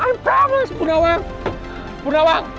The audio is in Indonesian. i promise bunda wang